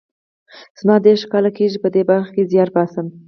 زما دېرش کاله کېږي چې په دې برخه کې زیار باسم